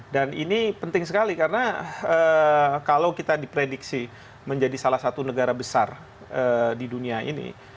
dan ini penting sekali karena kalau kita diprediksi menjadi salah satu negara besar di dunia ini